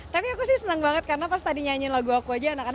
tapi aku sih senang banget karena pas tadi nyanyiin lagu aku aja anak anak